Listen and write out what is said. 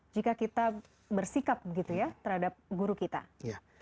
jika kita bersikap gitu ya terhadap guru kita